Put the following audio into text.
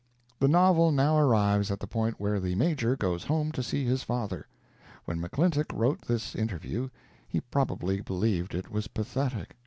The novel now arrives at the point where the Major goes home to see his father. When McClintock wrote this interview he probably believed it was pathetic.